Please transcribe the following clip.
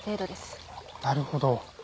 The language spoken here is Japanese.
なるほど。